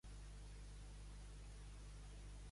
El prepuci tallat és una presumpta relíquia.